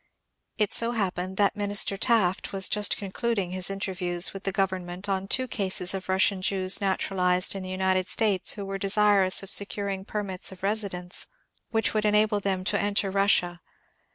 It so happened that Minister Taft was just concluding his interviews with the government on two cases of Russian Jews naturalized in the United States who were desirous of securing permits of residence " which would enable them to enter Rus sia.